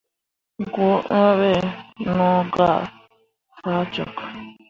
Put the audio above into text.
Goo ǝǝ ɓe no gah faa cok.